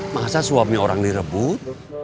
masa suami orang direbut